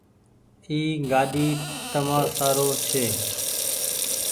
اي گآڏي تمآ سآرو ڇي۔